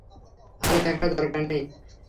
আরে দেখার দরকার নেই।